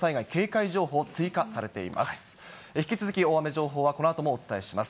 引き続き大雨情報は、このあともお伝えします。